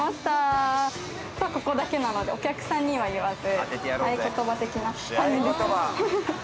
ここだけなのでお客さんには言わず。